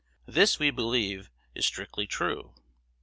This, we believe, is strictly true.